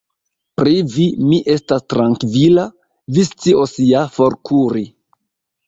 Pri vi, mi estas trankvila: vi scios ja forkuri.